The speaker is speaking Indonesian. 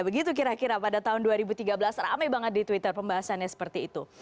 begitu kira kira pada tahun dua ribu tiga belas rame banget di twitter pembahasannya seperti itu